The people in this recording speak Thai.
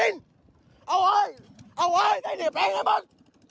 เอาไว้เอาไว้ได้เหนียวแปลงให้มัน